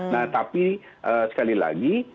nah tapi sekali lagi